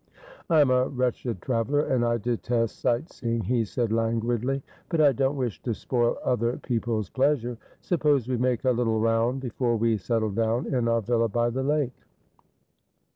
'I am a wretched traveller, and I detest sight seeing,' he said languidly ;' but I don't wish to spoil other people's pleasure. Suppose we make a little round before we settle down in our villa by the lake